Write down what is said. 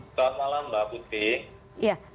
selamat malam mbak putri